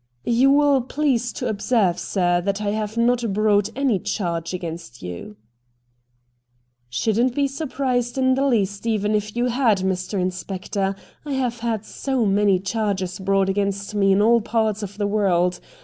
'You will please to observe, sir, that I have not brought any charge against you.' ' Shouldn't be surprised in the least even if you had, Mr. Inspector ; I have had so many charges brought against me in all parts of the world.